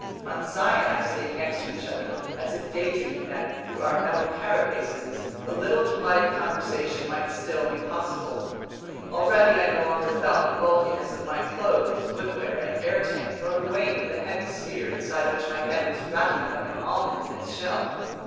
Conseil and I stayed next to each other, as if daydreaming that through our metal carapaces, a little polite conversation might still be possible! Already I no longer felt the bulkiness of my clothes, footwear, and air tank, nor the weight of the heavy sphere inside which my head was rattling like an almond in its shell.